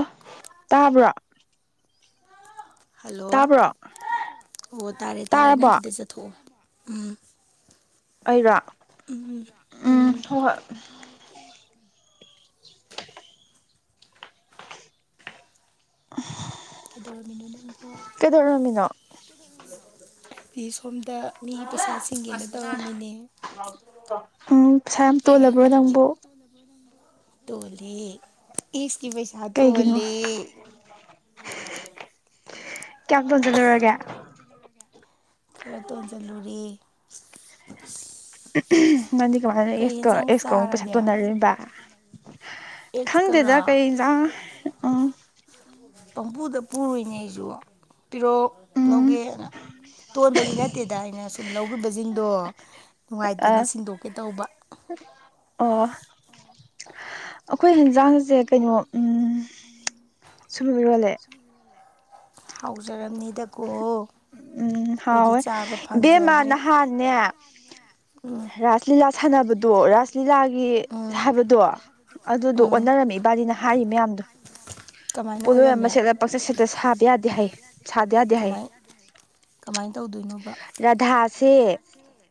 ꯑ ꯇꯥꯕ꯭ꯔꯣ ꯍꯜꯂꯣ ꯇꯥꯕ꯭ꯔꯣ ꯑꯣ ꯇꯥꯔꯦ ꯇꯥꯔꯦ ꯅꯪ ꯇꯥꯔꯕꯣ ꯈꯤꯇ ꯆꯠꯊꯣꯛꯑꯣ ꯎꯝ ꯑꯩꯔꯥ ꯎꯝ ꯍꯣꯏ ꯍꯣꯏ [unintelligible] [inaudible] ꯀꯩꯗꯧꯔꯝꯃꯤꯅꯣ ꯅꯪꯕꯨ ꯀꯩꯗꯧꯔꯝꯃꯤꯅꯣ ꯑꯩꯗꯤ ꯁꯣꯝꯗ ꯃꯤꯒꯤ ꯄꯩꯁꯥ ꯆꯤꯡꯒꯦꯅ ꯇꯧꯔꯝꯃꯤꯅꯦ ꯎꯝ ꯄꯩꯁꯥ ꯌꯥꯝ ꯇꯣꯜꯂꯕ꯭ꯔꯣ ꯅꯪꯕꯨ ꯇꯣꯂ ꯑꯦ ꯏꯁꯀꯤ ꯄꯩꯁ ꯀꯩꯒꯤꯅꯣ ꯀꯌꯥꯝ ꯇꯣꯟꯁꯤꯂꯨꯔꯒꯦ ꯈꯔ ꯇꯣꯟꯁꯤꯜꯂꯨꯨꯔꯔꯤ ꯅꯪꯗꯤ ꯀꯃꯥꯏꯅ ꯑꯦꯁꯀ ꯌꯦꯟꯁꯥꯡ ꯑꯦꯛꯁꯀ ꯑꯃꯨꯛ ꯄꯩꯁꯥ ꯆꯥꯔꯒꯦ ꯇꯣꯟꯅꯕ ꯈꯪꯗꯦꯗ ꯑꯦꯛꯁꯀꯔꯣ ꯀꯩꯖꯥꯡ ꯎꯝ ꯄꯝꯕꯨꯨꯗ ꯄꯨꯔꯨꯅꯦ ꯑꯩꯁꯨ ꯄꯤꯔꯛ ꯎꯝ ꯂꯧꯒꯦꯅ ꯇꯣꯟꯕꯗꯤ ꯅꯠꯇꯦꯗ ꯑꯩꯅ ꯁꯨꯝ ꯂꯧꯈꯤꯕꯁꯤꯡꯗꯣ ꯅꯨꯡꯉꯥꯏꯇꯦꯅ ꯑ ꯁꯤꯟꯗꯣꯛꯀꯦ ꯇꯧꯕ ꯑꯣ ꯑꯩꯈꯣꯏ ꯌꯦꯟꯖꯥꯡꯁꯦ ꯀꯩꯅꯣ ꯁꯣꯏꯕꯨꯝ ꯏꯔꯣꯜꯂꯦ ꯍꯥꯎꯖꯔꯝꯅꯤꯗꯀꯣ ꯎꯝ ꯍꯥꯎꯋꯦ ꯆꯥꯕ ꯏꯕꯦꯝꯃ ꯐꯪꯖꯗ꯭ꯔꯦ ꯅꯍꯥꯟꯅꯦ ꯎꯝ ꯔꯥꯁ ꯂꯤꯂꯥ ꯁꯥꯟꯅꯕꯗꯣ ꯔꯥꯁ ꯂꯤꯂꯥꯒꯤ ꯎꯝ ꯍꯥꯏꯕꯗꯣ ꯑꯗꯨꯗꯣ ꯎꯝ ꯑꯣꯟꯅꯔꯝꯃꯤ ꯏꯕꯥꯅꯤꯅ ꯍꯥꯏꯔꯤ ꯃꯌꯥꯝꯗꯣ ꯀꯃꯥꯏꯅ ꯑꯣꯏꯔꯝꯃꯦ ꯄꯛꯆ ꯁꯠꯇ ꯁꯥꯕ ꯌꯥꯗꯦ ꯍꯥꯏ ꯁꯥꯗꯤ ꯌꯥꯗꯦ ꯍꯥꯏ ꯀꯃꯥꯏ ꯀꯃꯥꯏꯅ ꯇꯧꯗꯣꯏꯅꯣꯕ ꯔꯥꯙꯥꯁꯦ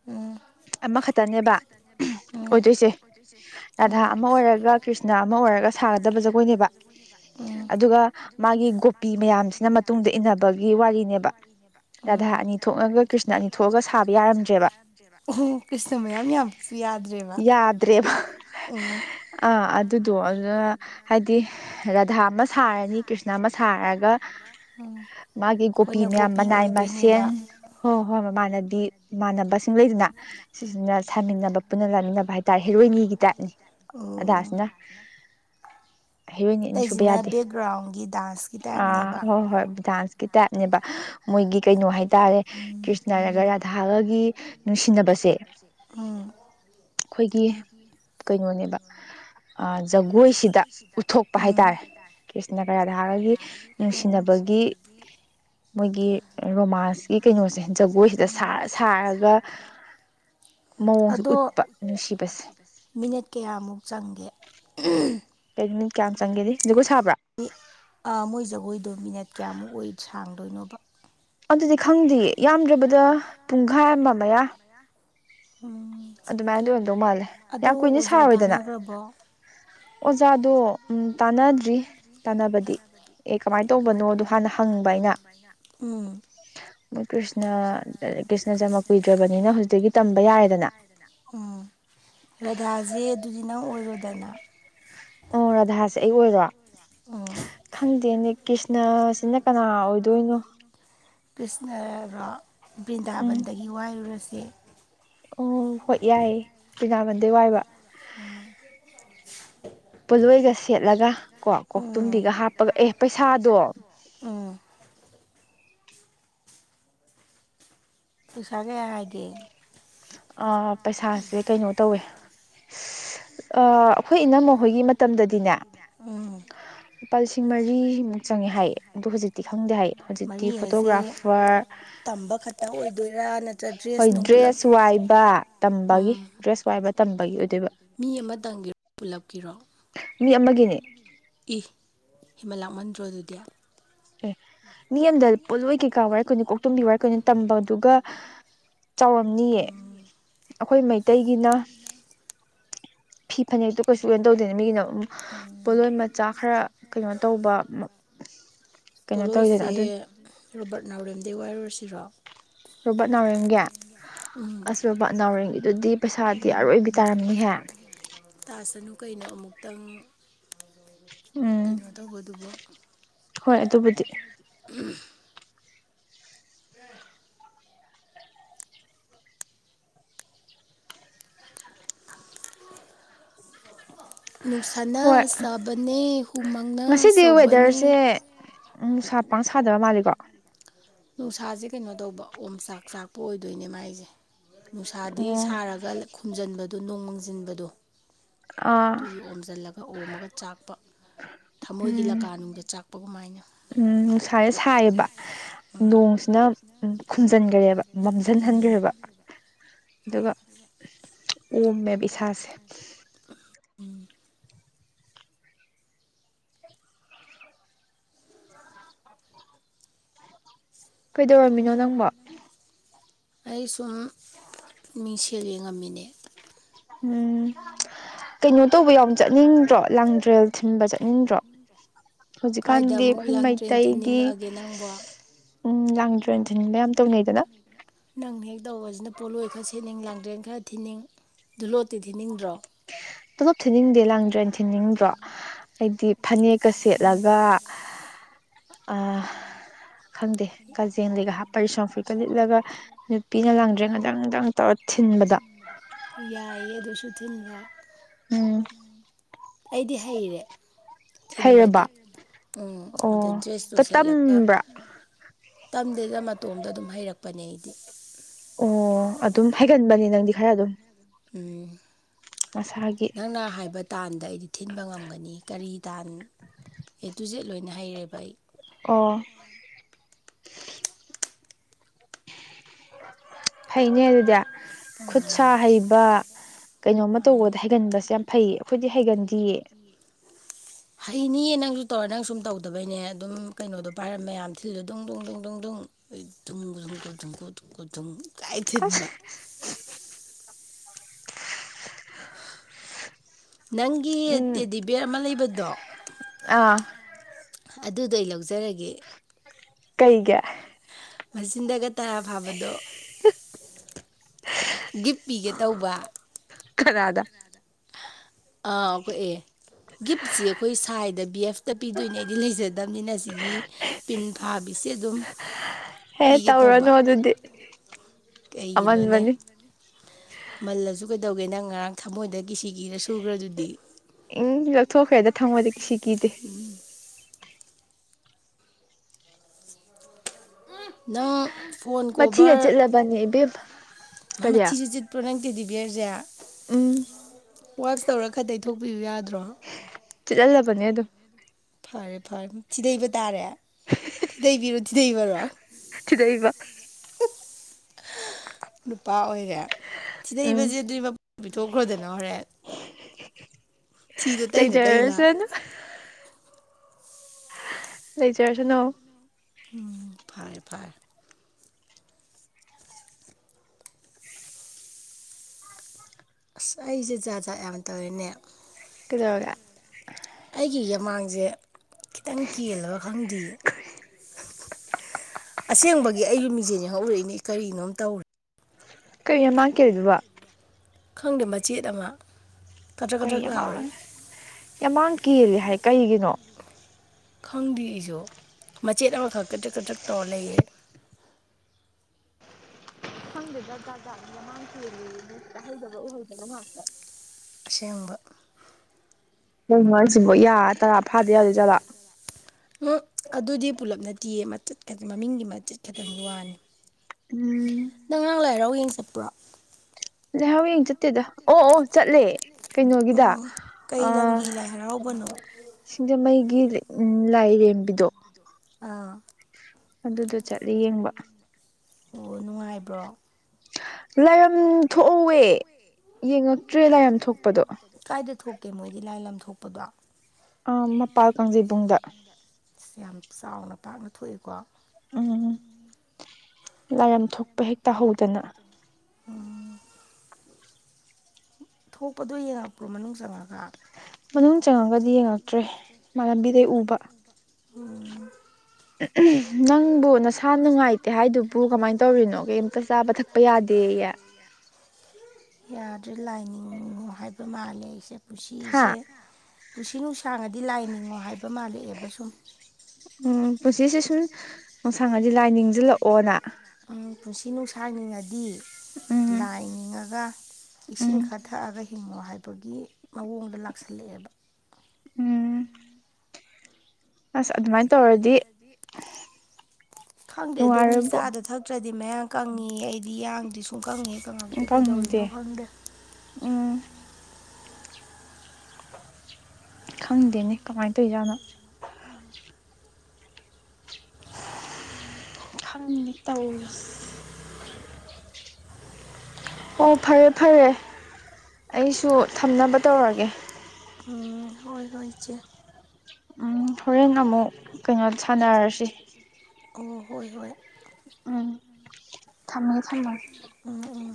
ꯎꯝ ꯑꯃꯈꯛꯇꯅꯦꯕ ꯎꯝ ꯑꯣꯏꯗꯣꯏꯁꯦ ꯎꯝ ꯔꯥꯙꯥ ꯑꯃ ꯑꯣꯏꯔꯒ ꯀ꯭ꯔꯤꯁꯅ ꯑꯃ ꯑꯣꯏꯔꯒ ꯁꯥꯒꯗꯕ ꯖꯒꯣꯏꯅꯦꯕ ꯎꯝ ꯑꯗꯨꯒ ꯃꯥꯒꯤ ꯒꯣꯄꯤ ꯃꯌꯥꯝꯁꯤꯅ ꯃꯇꯨꯡꯗ ꯏꯟꯅꯕꯒꯤ ꯋꯥꯔꯤꯅꯦꯕ ꯔꯥꯙꯥ ꯑꯅꯤ ꯊꯣꯛꯅꯒ ꯀ꯭ꯔꯤꯁꯅ ꯑꯅꯤ ꯊꯣꯛꯑꯒ ꯁꯥꯕ ꯌꯥꯔꯝꯗ꯭ꯔꯦꯕ ꯑꯣ ꯀꯩꯁꯅ ꯃꯌꯥꯝ ꯌꯥꯝ ꯌꯥꯗ꯭ꯔꯦꯕ ꯌꯥꯗ꯭ꯔꯦꯕ ꯌꯥꯗ꯭ꯔꯦ ꯎ ꯑꯥ ꯑꯗꯨꯗꯣ ꯑꯗꯨ ꯑꯗꯨꯅ ꯍꯥꯏꯗꯤ ꯔꯥꯙꯥ ꯑꯃ ꯁꯥꯔꯅꯤ ꯀ꯭ꯔꯤꯁꯅ ꯑꯃ ꯁꯥꯔꯒ ꯎꯝ ꯃꯥꯒꯤ ꯀꯣꯄꯤ ꯃꯌꯥꯝ ꯒꯣꯄꯤ ꯃꯅꯥꯏ ꯑꯣꯏꯗꯣꯏꯅꯦꯕ ꯃꯁꯤꯡꯁꯦꯟ ꯍꯣꯏ ꯍꯣꯏ ꯃꯃꯥꯟꯅꯗꯤ ꯏꯃꯥꯟꯅꯕꯁꯤꯡ ꯂꯩꯗꯅ ꯁꯤꯁꯤꯅ ꯁꯥꯃꯤꯟꯅꯩ ꯅꯕ ꯄꯨꯟꯅ ꯂꯥꯟꯃꯤꯟꯅꯕ ꯍꯥꯏꯇꯥꯔꯦ ꯍꯦꯔꯣꯏꯅꯤꯒꯤ ꯇꯥꯏꯞꯅꯤ ꯑꯣ ꯑꯗꯥꯁꯤꯅ ꯍꯣꯏ ꯅꯤꯅꯤ ꯁꯨꯕ ꯑꯇꯩꯁꯤꯅ ꯌꯥꯗꯦ ꯕꯦꯛꯒ꯭ꯔꯥꯎꯟꯒꯤ ꯗꯥꯟꯁꯀꯤ ꯑ ꯇꯥꯏꯞꯅꯦꯕ ꯍꯣꯏ ꯍꯣꯏ ꯕꯤꯗꯥꯟꯁ ꯀꯤ ꯇꯥꯏꯞꯅꯦꯕ ꯃꯣꯏꯒꯤ ꯀꯩꯅꯣ ꯍꯥꯏꯇꯥꯔꯦ ꯀ꯭ꯔꯤꯁꯅꯔꯒ ꯔꯥꯙꯥꯒꯒꯤ ꯅꯨꯡꯁꯤꯅꯕ ꯄꯁꯦ ꯎꯝ ꯑꯩꯈꯣꯏꯒꯤ ꯀꯩꯅꯣꯅꯦꯕ ꯖꯒꯣꯏꯁꯤꯗ ꯎꯠꯊꯣꯛꯄ ꯎꯝ ꯍꯥꯏꯇꯥꯔꯦ ꯀ꯭ꯔꯤꯁꯅ ꯒꯥ ꯔꯥꯙ ꯒꯥꯒꯤ ꯑꯣ ꯅꯨꯡꯁꯤꯅꯕꯒꯤ ꯃꯣꯏꯒꯤ ꯔꯣꯃꯥꯟꯁꯀꯤ ꯀꯩꯅꯣꯁꯦ ꯖꯒꯣꯏꯁꯤꯗ ꯁꯥꯔꯒ ꯃꯑꯣꯡꯁꯨ ꯑꯗꯣ ꯎꯠꯄ ꯅꯨꯡꯁꯤꯕꯁꯦ ꯃꯤꯅꯠ ꯀꯌꯥꯃꯨꯛ ꯆꯪꯒꯦ ꯀꯩ ꯅꯨ ꯃꯤꯅꯤ ꯀꯌꯥꯝ ꯆꯪꯒꯦꯗꯤ ꯖꯒꯣꯏ ꯁꯥꯕ꯭ꯔꯥ ꯃꯣꯏ ꯖꯒꯣꯏꯗꯣ ꯃꯤꯅꯠ ꯀꯌꯥꯃꯨꯛ ꯑꯣꯏ ꯁꯥꯡꯗꯣꯏꯅꯣꯕ ꯑꯗꯨꯗꯤ ꯈꯪꯗꯦ ꯌꯥꯝꯗ꯭ꯔꯕꯗ ꯄꯨꯡꯈꯥꯏ ꯑꯃ ꯃꯌꯥ ꯎꯝ ꯑꯗꯨꯃꯥꯏꯅ ꯇ ꯑꯣꯏꯔꯝꯗꯧ ꯃꯥꯜꯂꯦ ꯑꯗꯣ ꯌꯥꯝ ꯀꯨꯏꯅ ꯑꯣꯖꯥ ꯁꯥꯥꯎꯔꯣꯏꯗꯅ ꯇꯥꯟꯅꯈ꯭ꯔꯕꯣ ꯑꯣꯖꯥꯗꯣ ꯎ ꯇꯥꯟꯅꯗ꯭ꯔꯤ ꯇꯥꯟꯅꯕꯗꯤ ꯑꯦ ꯀꯃꯥꯏꯅ ꯇꯧꯕꯅꯣꯗ ꯍꯥꯟꯅ ꯍꯪꯕ ꯑꯩꯅ ꯎꯝ ꯣꯏ ꯀ꯭ꯔꯤꯁꯅ ꯀ꯭ꯔꯤꯁꯅ ꯆꯃ ꯀꯨꯏꯗ꯭ꯔꯕꯅꯤꯅ ꯍꯧꯖꯤꯛꯇꯒꯤ ꯇꯝꯕ ꯌꯥꯔꯦꯗꯅ ꯎꯝ ꯔꯙꯥꯁꯦ ꯑꯗꯨꯗꯤ ꯅꯪ ꯑꯣꯏꯔꯣꯗꯅ ꯑꯣ ꯔꯥꯙꯥꯁꯦ ꯑꯩ ꯑꯣꯏꯔꯣ ꯎꯝ ꯈꯪꯗꯦꯅꯦ ꯀ꯭ꯔꯤꯁꯅꯁꯤꯅ ꯀꯅꯥ ꯑꯣꯏꯗꯣꯏꯅꯣ ꯀ꯭ꯔꯤꯁꯅꯔꯣ ꯎꯝ ꯕ꯭ꯔꯤꯟꯗꯥꯕꯟꯗꯒꯤ ꯋꯥꯔꯨꯔꯁꯦ ꯑꯣ ꯍꯣꯏ ꯌꯥꯏꯌꯦ ꯇꯦꯅꯥꯃꯟꯗꯩ ꯋꯥꯏꯕ ꯎꯝ ꯄꯣꯠꯂꯣꯏꯒ ꯁꯦꯠꯂꯒ ꯀꯣ ꯎꯝ ꯀꯣꯛꯇꯨꯝꯕꯤꯒ ꯍꯥꯞꯄꯒ ꯑꯦ ꯄꯩꯁꯥꯗꯣ ꯑꯥ ꯄꯩꯁꯥ ꯀꯌꯥ ꯍꯥꯏꯒꯦ ꯄꯩꯁꯥꯁꯦ ꯀꯩꯅꯣ ꯇꯧꯋꯦ ꯑꯩꯈꯣꯏ ꯏꯅꯝꯃ ꯍꯣꯏꯒꯤ ꯃꯇꯝꯗꯗꯤꯅꯦ ꯎꯝ ꯂꯨꯄꯥ ꯂꯤꯁꯤꯡ ꯃꯔꯤꯃꯨꯛ ꯆꯪꯉꯦ ꯍꯥꯏꯌꯦ ꯑꯗꯨꯗꯣ ꯍꯧꯖꯤꯛꯇꯤ ꯈꯪꯗꯦ ꯍꯥꯏꯌꯦ ꯍꯧꯖꯤꯛꯇꯤ ꯐꯣꯇꯣꯒ꯭ꯔꯥꯐꯔ ꯇꯝꯕ ꯈꯛꯇ ꯑꯣꯏꯗꯣꯏꯔꯥ ꯍꯣꯏ ꯅꯨꯡ ꯄꯨꯂꯞ ꯗ꯭ꯔꯦꯁ ꯋꯥꯏꯕ ꯇꯝꯕꯒꯤ ꯎꯝ ꯗ꯭ꯔꯦꯁ ꯋꯥꯏꯕ ꯇꯝꯕꯒꯤ ꯑꯣꯏꯗꯣꯏꯕ ꯃꯤ ꯑꯃꯇꯪꯒꯤꯔꯣ ꯄꯨꯜꯂꯞꯀꯤꯔꯣ ꯃꯤ ꯑꯃꯒꯤꯅꯦ ꯏ ꯍꯤꯃꯥꯂꯥ ꯃꯟꯗ꯭ꯔꯣꯗꯨꯗꯤ ꯑꯦ ꯃꯤ ꯑꯝꯗ ꯄꯣꯠꯂꯣꯏ ꯀꯩꯀꯥ ꯋꯥꯏꯔ ꯑꯩꯈꯣꯏꯅꯣ ꯀꯣꯛꯇꯣꯝꯕꯤ ꯋꯥꯏ ꯀꯣꯏꯅ ꯇꯝꯕꯗꯨꯒ ꯆꯥꯎꯔꯝꯅꯤꯌꯦ ꯑꯩꯈꯣꯏ ꯃꯩꯇꯩꯒꯤꯅ ꯐꯤ ꯐꯅꯦꯛꯇꯨ ꯀꯩꯁꯨ ꯀ ꯇꯧꯗꯦꯅ ꯃꯤꯒꯤꯅ ꯄꯣꯠꯂꯣꯟ ꯃꯆꯥ ꯈꯔ ꯀꯩꯅꯣ ꯇꯧꯕ ꯀꯩꯅꯣ ꯇꯧꯋꯤꯗꯅ ꯄꯣꯠꯂꯣꯏꯁꯦ ꯑꯗꯨ ꯔꯣꯕꯥꯔꯠ ꯅꯥꯎꯔꯦꯝꯗꯒꯤꯩ ꯋꯥꯔꯨꯔꯁꯤꯔꯣ ꯔꯣꯕꯥꯔꯠ ꯅꯥꯎꯔꯦꯝꯒꯤ ꯂꯩ ꯎꯝ ꯑꯁ ꯔꯣꯕꯥꯔꯠ ꯅꯥꯎꯔꯦꯝꯒꯤꯗꯨꯗꯤ ꯄꯩꯁꯥꯗꯤ ꯑꯔꯣꯏꯕꯤ ꯇꯥꯔꯝꯅꯤꯍꯦ ꯇꯥꯁꯅꯨ ꯀꯩꯅꯣ ꯑꯃꯨꯛꯇꯪ ꯎꯝ ꯀꯩꯅꯣ ꯇꯧꯕꯗꯨꯕꯨ ꯍꯣꯏ ꯑꯗꯨꯕꯨꯗꯤ ꯎꯝ ꯅꯨꯡꯁꯥꯅ ꯍꯣꯏ ꯆꯥꯕꯅꯦ ꯍꯨꯃꯪꯅ ꯉꯁꯤꯗꯤ ꯁꯧꯕꯅꯦ ꯋꯦꯗꯔꯁꯦ ꯅꯨꯡꯁꯥ ꯄꯥꯡ ꯁꯥꯗꯕ ꯃꯥꯜꯜꯂꯤꯀꯣ ꯅꯨꯡꯁꯥꯁꯦ ꯀꯩꯅꯣ ꯇꯧꯕ ꯑꯣꯝ ꯆꯥꯛ ꯆꯥꯛꯄ ꯑꯣꯏꯗꯣꯏꯅꯦ ꯃꯥꯏꯁꯦ ꯅꯨꯡꯁꯥꯗꯤ ꯑꯣ ꯁꯥꯔꯒ ꯈꯨꯝꯖꯤꯟꯕꯗꯣ ꯅꯣꯡ ꯃꯥꯡꯁꯤꯟꯕꯗꯣ ꯑꯥ ꯑꯗꯨꯒꯤ ꯑꯣꯝꯁꯤꯜꯂꯒ ꯑꯣꯝꯃꯒ ꯆꯥꯛꯄ ꯊꯃꯣꯏꯒꯤ ꯂꯀꯥꯅꯨꯡꯗ ꯆꯥꯛꯄ ꯑꯗꯨꯃꯥꯏꯅ ꯎ ꯅꯨꯡꯁꯥꯥꯁꯦ ꯁꯥꯏꯌꯦꯕ ꯅꯣꯡꯁꯤꯅ ꯈꯨꯝꯖꯤꯟꯈꯔꯦꯕ ꯃꯝꯁꯤꯟꯍꯟꯈ꯭ꯔꯦꯕ ꯑꯗꯨꯒ ꯑꯣꯝꯃꯦꯕ ꯏꯁꯥꯁꯦ ꯀꯩꯗꯧꯔꯝꯃꯤꯅꯣ ꯅꯪꯕꯣ ꯑꯩ ꯁꯨꯝ ꯃꯤꯡꯁꯦꯜ ꯌꯦꯡꯉꯝꯃꯤꯅꯦ ꯎꯝ ꯀꯩꯅꯣ ꯇꯧꯕ ꯌꯥꯝ ꯆꯠꯅꯤꯡꯗ꯭ꯔꯣ ꯂꯥꯡꯗ꯭ꯔꯦꯜ ꯊꯤꯟꯕ ꯆꯠꯅꯤꯡꯗ꯭ꯔꯣ ꯀꯥꯏꯗ ꯍꯧꯖꯤꯛꯀꯥꯟꯗꯤ ꯑꯃꯨꯛ ꯑꯩꯈꯣꯏ ꯂꯥꯡꯇ꯭ꯔꯦꯟ ꯃꯩꯇꯩꯒꯤ ꯊꯤꯟꯅꯤꯡꯉꯛꯑꯒꯦ ꯅꯪꯕꯣ ꯎꯝ ꯂꯥꯡꯗ꯭ꯔꯦꯟ ꯊꯤꯟꯕ ꯌꯥꯝ ꯇꯧꯅꯩꯗꯅ ꯅꯪꯅ ꯍꯦꯛ ꯇꯧꯕꯁꯤꯅ ꯄꯣꯠꯂꯣꯏ ꯈꯔ ꯁꯦꯠꯅꯤꯡ ꯂꯥꯡꯗ꯭ꯔꯦꯟ ꯈꯔ ꯊꯤꯟꯅꯤꯡ ꯗꯨꯂꯣꯠꯇꯤ ꯊꯤꯅꯤꯡꯗ꯭ꯔꯣ ꯌꯦꯡꯅꯤꯡꯗ꯭ꯔꯣ ꯍꯥꯏꯗꯤ ꯐꯅꯦꯛꯀ ꯁꯦꯠꯂꯒ ꯑ ꯈꯪꯗꯦ ꯀꯖꯦꯟꯗꯒꯤꯒ ꯍꯥꯞꯄꯔꯤ ꯁꯣꯐꯤꯠꯀ ꯂꯤꯠꯂꯒ ꯅꯨꯄꯤꯅ ꯂꯥꯡꯗ꯭ꯔꯦ ꯉꯇꯪ ꯇꯪ ꯇꯧꯔ ꯊꯤꯟꯕꯗ ꯌꯥꯏꯌꯦ ꯑꯗꯨꯁꯨ ꯊꯤꯟꯕ ꯎꯝ ꯑꯩꯗꯤ ꯍꯩꯔꯦ ꯍꯩꯔꯕ ꯊꯤꯟꯕꯗꯤ ꯎꯝ ꯑꯣ ꯑꯗꯨ ꯗ꯭ꯔꯦꯁꯇꯨ ꯁꯦꯠꯂꯒ ꯇꯝꯕ꯭ꯔꯥ ꯇꯝꯗꯦꯗ ꯃꯇꯣꯝꯗ ꯑꯗꯨꯝ ꯍꯩꯔꯛꯄꯅꯦ ꯑꯩꯗꯤ ꯑꯣ ꯑꯗꯨꯝ ꯍꯥꯏꯒꯟꯕꯅꯦ ꯅꯪꯗꯤ ꯈꯔ ꯑꯗꯨꯝ ꯎꯝ ꯃꯁꯥꯒꯤ ꯅꯪꯅ ꯍꯥꯏꯕ ꯇꯥꯟꯗ ꯑꯩꯗꯤ ꯊꯤꯟꯕ ꯉꯝꯒꯅꯤ ꯀꯔꯤ ꯇꯥꯟ ꯑꯦ ꯇꯨ ꯖꯦꯠ ꯂꯣꯏꯅ ꯍꯩꯔꯦꯕ ꯑꯩ ꯑꯣ ꯐꯩꯅꯦ ꯑꯗꯨꯗꯤ ꯈꯨꯠ ꯁꯥ ꯍꯩꯕ ꯀꯩꯅꯣꯝꯃ ꯃꯥꯅꯤ ꯇꯧꯕꯗ ꯍꯩꯒꯟꯕꯁꯦ ꯌꯥꯝ ꯐꯩꯌꯦ ꯑꯩꯈꯣꯏꯗꯤ ꯍꯩꯒꯟꯗꯤꯌꯦ ꯍꯩꯅꯤ ꯅꯪꯁꯨ ꯇꯧꯔꯦ ꯅꯪ ꯁꯨꯝ ꯇꯧꯗꯕꯩꯅꯦ ꯑꯗꯨꯝ ꯀꯩꯅꯣꯗꯣ ꯄꯥꯏꯔ ꯃꯌꯥꯝ ꯊꯤꯜꯂꯣ ꯗꯨꯡ ꯗꯨꯡ ꯗꯨꯡ ꯗꯨꯡ ꯍ ꯊꯨꯝ ꯊꯨꯝ ꯀꯣꯠ ꯊꯨꯝ ꯀꯣ ꯊꯨꯝ ꯀꯣꯠ ꯊꯨꯝ ꯀꯥꯏ ꯑꯁ ꯊꯤꯟꯕ [unintelligible] ꯅꯪꯒꯤ ꯎꯝ ꯇꯦꯗꯤꯕꯤꯌꯔ ꯑꯃ ꯂꯩꯕꯗꯣ ꯑꯥ ꯑꯗꯨꯗꯣ ꯑꯩ ꯂꯧꯖꯔꯒꯦ ꯀꯩꯒꯤ ꯃꯆꯤꯟꯗꯒ ꯇꯔꯥ ꯐꯥꯕꯗꯣ ꯒꯤꯞ ꯄꯤꯒꯦ ꯇꯧꯕ ꯀꯅꯥꯗ ꯑꯥ ꯑꯈꫭꯏ ꯑꯦ ꯒꯤꯐꯁꯦ ꯑꯩꯈꯣꯏ ꯁꯥꯏꯗ ꯕꯤ ꯑꯦꯐꯇ ꯄꯤꯗꯣꯏꯅꯦ ꯑꯩꯗꯤ ꯂꯩꯖꯗꯕꯅꯤꯅ ꯑꯁꯤꯒꯤ ꯄꯤꯟ ꯐꯥꯕꯤꯁꯦ ꯑꯗꯨꯝ ꯍꯦ ꯄꯤꯒꯦ ꯇꯧꯕ ꯇꯧꯔꯅꯨ ꯑꯗꯨꯗꯤ ꯀꯩꯒꯤꯅꯣꯅꯦ ꯑꯃꯟꯕꯅꯤ ꯃꯜꯂꯁꯨ ꯀꯩꯗꯧꯒꯦ ꯅꯪ ꯉꯔꯥꯡ ꯊꯃꯣꯏꯗ ꯀꯤꯁꯤꯀꯤꯔ ꯁꯨꯈ꯭ꯔꯗꯨꯗꯤ ꯏꯪ ꯂꯧꯊꯣꯛꯈ꯭ꯔꯦꯗ ꯊꯝꯃꯣꯗꯤ ꯀꯁꯤ ꯀꯤꯗꯦ ꯎꯝ ꯅꯪ ꯐꯣꯟ ꯃꯊꯤꯒ ꯀꯣꯕꯔ ꯆꯤꯠꯂꯕꯅꯦ ꯏꯕꯦꯝ ꯃꯥ ꯀꯔꯤ ꯃꯊꯤꯆꯤꯠ ꯄ꯭ꯔꯣꯅꯪ ꯇꯦꯗꯤꯕꯤꯌꯔꯁꯦ ꯎꯝ ꯋꯥꯞ ꯇꯧꯔ ꯈꯔ ꯇꯩꯊꯣꯛꯄꯤꯌꯨ ꯌꯥꯗ꯭ꯔꯣ ꯆꯠꯍꯜꯂꯕꯅꯤ ꯑꯗꯨꯝ ꯐꯔꯦ ꯐꯔꯦ ꯊꯤꯗꯩꯕ ꯇꯥꯔꯦ ꯊꯤꯗꯩꯕꯤꯔꯣ ꯊꯤꯗꯩꯕꯥꯔꫭ ꯊꯤꯗꯩꯕ ꯅꯨꯄꯥ ꯑꯣꯏꯔꯦ ꯎꯝ ꯊꯤꯗꯩꯕꯁꯦ ꯑꯗꯨꯗꯤ ꯃꯄꯨ ꯄꯤꯊꯣꯛꯈ꯭ꯔꯣꯗꯅ ꯍꯣꯔꯦꯟ ꯊꯤꯗꯣ ꯇꯩꯅ ꯇꯩꯅ ꯂꯩꯖꯔꯁꯅꯨ ꯂꯩꯖꯔꯁꯅꯣ ꯎꯝ ꯐꯔꯦ ꯐꯔꯦ [unintelligible] ꯑꯁ ꯑꯩꯁꯦ ꯖꯥꯠ ꯖꯥꯠ ꯌꯥꯝ ꯇꯧꯋ‌ꯦꯅꯦ ꯀꯩꯗꯧꯔꯒ‌ꯦ ꯑꯩꯒꯤ ꯌꯦꯃꯥꯡꯁꯦ ꯈꯤꯇꯪ ꯀꯦꯜꯂꯕ ꯈꯪꯗꯤꯌ‌ꯦ ꯑꯁꯦꯡꯕꯒꯤ ꯑꯩꯁꯨ ꯃꯤꯡꯁꯦꯜ ꯌꯦꯡ ꯎꯔꯛꯏꯅꯤ ꯀꯔꯤꯅꯣꯝ ꯇꯧꯔꯦ ꯀꯩ ꯌꯃꯥꯡ ꯀꯦꯜꯂꯤꯗꯨꯕꯣ ꯈꯪꯗꯦ ꯃꯆꯦꯠ ꯑꯃ ꯀꯗ꯭ꯔꯛ ꯀꯩ ꯀꯗ꯭ꯔꯛ ꯂꯥꯎꯔꯦ ꯌꯥꯃꯥꯡ ꯌꯥꯃꯥꯡ ꯀꯦꯜꯂꯤ ꯍꯥꯏ ꯀꯩꯒꯤꯅꯣ ꯈꯪꯗꯦ ꯑꯩꯁꯨ ꯃꯆꯦꯠ ꯑꯃꯈꯛ ꯀꯗꯔꯛ ꯀꯗꯔꯛ ꯇꯧꯔ ꯂꯩꯌꯦ ꯈꯪꯗꯦꯗ ꯖꯥꯠ ꯖꯥꯠꯅꯤ ꯌꯃꯥꯡ ꯀꯦꯜꯂꯦꯌꯦ ꯇꯥꯍꯩꯗꯕ ꯎꯍꯩꯗꯕ ꯉꯥꯛꯇ ꯑꯁꯦꯡꯕ ꯅꯣꯡ [unintelligible] ꯃꯔꯥꯡꯁꯤꯐꯛ ꯌꯥ ꯇꯔꯥꯗꯗꯤ ꯌꯥꯗꯦ ꯖꯔꯥ ꯍꯨꯡ ꯑꯗꯨꯗꯤ ꯄꯨꯂꯞꯅꯠꯇꯤꯌꯦ ꯃꯆꯦꯠ ꯈꯛꯇꯪ ꯃꯃꯤꯡꯒꯤ ꯃꯆꯦꯠ ꯈꯛꯇꯪ ꯋꯥꯅꯤ ꯎꯝ ꯅꯪ ꯉꯥꯔꯥꯡ ꯂꯥꯏ ꯍꯔꯥꯎ ꯌꯦꯡ ꯆꯠꯄ꯭ꯔꯣ ꯂꯩꯍꯥꯎ ꯌꯦꯡ ꯆꯠꯇꯦꯗ ꯑꯣ ꯑꯣ ꯆꯠꯂꯦ ꯀꯩꯅꯣꯒꯤꯗ ꯑꯣ ꯑ ꯀꯩ ꯂꯝꯒꯤ ꯂꯥꯏ ꯍꯔꯥꯎꯕꯅꯣ ꯁꯤꯡꯖꯃꯩꯒꯤ ꯎꯝ ꯂꯥꯏꯔꯦꯝꯕꯤꯗꯣ ꯑꯥ ꯑꯗꯨꯗꯣ ꯆꯠꯂꯦ ꯌꯦꯡꯕ ꯑꯣ ꯅꯨꯡꯉꯥꯏꯕ꯭ꯔꯣ ꯂꯥꯏꯔꯝ ꯊꯣꯛꯍꯧꯋꯦ ꯌꯦꯡꯉꯛꯇ꯭ꯔꯦ ꯂꯥꯏꯔꯝ ꯊꯣꯛꯄꯗꯣ ꯀꯥꯏꯏꯗ ꯊꯣꯛꯀꯦ ꯃꯣꯏꯗꯤ ꯂꯥꯏ ꯂꯝ ꯊꯣꯛꯄꯗꯣ ꯑꯥ ꯃꯄꯥꯜ ꯀꯥꯡꯖꯩꯕꯨꯡꯗ ꯑꯁ ꯌꯥꯝ ꯆꯥꯎꯅ ꯄꯥꯛꯅ ꯊꯣꯛꯑꯦꯀꯣ ꯎꯝ ꯂꯥꯏ ꯂꯝ ꯊꯣꯛꯄ ꯍꯦꯛꯇꯥꯍꯧꯗꯅ ꯊꯣꯛꯄꯗꯣ ꯌꯥꯕ꯭ꯔꯣ ꯃꯅꯨꯡ ꯆꯪꯉꯒ ꯃꯅꯨꯡ ꯆꯪꯉꯒꯗꯤ ꯌꯦꯡꯉꯛꯇ꯭ꯔꯦ ꯃꯥ ꯂꯝꯕꯤꯗꯩ ꯎꯕ ꯎꯝ ꯅꯪꯕꯨ ꯅꯁꯥ ꯅꯨꯡꯉꯥꯏꯇꯦ ꯍꯥꯏꯗꯨꯕꯨ ꯄꯨꯨ ꯀꯃꯥꯏꯅ ꯇꯧꯔꯤꯅꯣ ꯀꯩꯝꯇ ꯆꯥꯕ ꯊꯛꯄ ꯌꯥꯗꯦꯌꯦ ꯌꯥꯗ꯭ꯔꯦ ꯂꯥꯏꯅꯤꯡꯉꯣ ꯍꯥꯏꯕ ꯃꯥꯜꯂꯦ ꯑꯩꯁꯦ ꯄꯨꯟꯁꯤꯁꯦ ꯍꯥ ꯄꯨꯟꯁꯤ ꯅꯨꯡꯁꯥꯡꯉꯗꯤ ꯂꯥꯏ ꯅꯤꯡꯉꯣ ꯍꯥꯏꯕ ꯃꯥꯜꯂꯛꯑꯦꯕ ꯁꯨꯝ ꯎꯝ ꯄꯨꯟꯁꯤꯁꯦ ꯁꯨꯝ ꯁꯥꯡꯉꯗꯤ ꯂꯥꯏ ꯅꯤꯡꯁꯤꯜꯂꯛꯑꯣꯅ ꯑꯪ ꯄꯨꯟꯁꯤ ꯅꯨꯡꯁꯥꯡꯅꯤꯡꯉꯗꯤ ꯎꯝ ꯂꯥꯏ ꯅꯤꯡꯉꯒ ꯏꯁꯤꯡ ꯎꯝ ꯈꯔ ꯊꯛꯑꯒ ꯍꯤꯡꯉꯣ ꯍꯥꯏꯕꯒꯤ ꯃꯑꯣꯡꯗ ꯂꯥꯛꯁꯜꯂꯛꯑꯦꯕ ꯎꯝ ꯑꯁ ꯑꯗꯨꯃꯥꯏꯅ ꯇꯧꯔꯗꯤ ꯈꯪꯗꯦ ꯑꯗꯨ ꯃꯤ ꯅꯨꯡꯉꯥꯏꯔꯣꯏꯕꯣ ꯆꯥꯗ ꯊꯛ ꯇ꯭ꯔꯗꯤ ꯃꯌꯥꯡ ꯀꯪꯉꯦꯌꯦ ꯑꯩꯗꯤ ꯌꯥꯡꯗꯤ ꯁꯨꯡꯀꯪ ꯀꯪꯉꯪꯇꯦ ꯀꯩꯗꯧꯔꯤꯅꯣ ꯈꯪꯗꯦ ꯈꯪꯗꯦ ꯎꯝ ꯈꯪꯗꯦꯅꯦ ꯀꯃꯥꯏꯅ ꯇꯧꯖꯥꯠꯅꯣ ꯎꯝ ꯈꯪꯗꯦ ꯇꯧꯔꯤꯁꯦ ꯑꯣ ꯐꯔꯦ ꯐꯔꯦ ꯑꯩꯁꯨ ꯊꯝꯅꯕ ꯇꯧꯔꯒꯦ ꯎꯝ ꯍꯣꯏ ꯍꯣꯏ ꯆꯦ ꯍꯣꯔꯦꯟ ꯑꯃꯨꯛ ꯀꯩꯅꯣ ꯁꯥꯟꯅ ꯑꯣ ꯍꯣꯏ ꯍꯣꯏ ꯎꯝ ꯊꯝꯒꯦ ꯊꯝꯃꯒꯦ ꯎꯝ ꯎꯝ